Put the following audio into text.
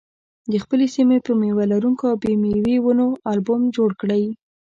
د خپلې سیمې د مېوه لرونکو او بې مېوې ونو البوم جوړ کړئ.